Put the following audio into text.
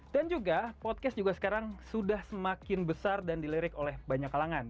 juga podcast juga sekarang sudah semakin besar dan dilirik oleh banyak kalangan